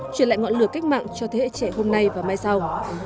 truyền lại ngọn lửa cách mạng cho thế hệ trẻ hôm nay và mai sau